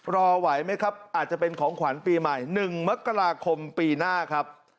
รอไหวไหมครับอาจจะเป็นของขวัญปีใหม่๑มกราคมปีหน้าครับ